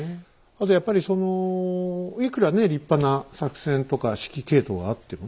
あとやっぱりいくら立派な作戦とか指揮系統があってもね